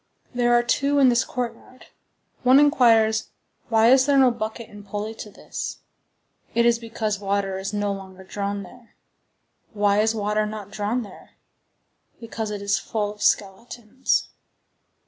There are two in this courtyard. One inquires, Why is there no bucket and pulley to this? It is because water is no longer drawn there. Why is water not drawn there? Because it is full of skeletons.